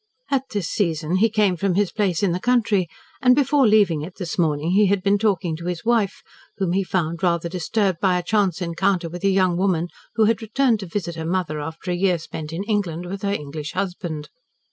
At this season he came from his place in the country, and before leaving it this morning he had been talking to his wife, whom he found rather disturbed by a chance encounter with a young woman who had returned to visit her mother after a year spent in England with her English husband.